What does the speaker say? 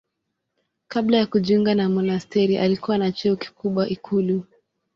Kabla ya kujiunga na monasteri alikuwa na cheo kikubwa ikulu.